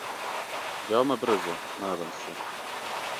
Веома брзо, надам се.